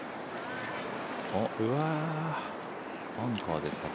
うわーバンカーですか。